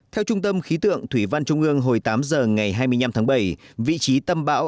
theo trung tâm khí tượng thủy văn trung ương hồi tám giờ ngày hai mươi năm tháng bảy vị trí tâm bão